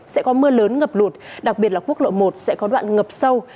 sẽ có mưa lớn ngập lụt đặc biệt là quốc lộ một sẽ có đoạn ngập sâu